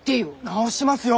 直しますよ！